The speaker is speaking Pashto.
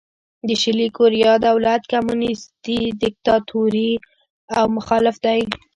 د شلي کوریا دولت کمونیستي دیکتاتوري او مخالف دی.